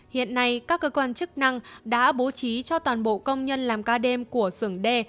hiện nay các cơ quan chức năng đã bố trí cho toàn bộ công nhân làm ca đêm của sưởng đê